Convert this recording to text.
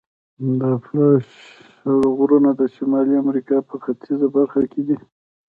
د اپالاش غرونه د شمالي امریکا په ختیځه برخه کې دي.